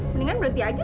mendingan berhenti aja